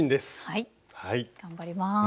はい頑張ります。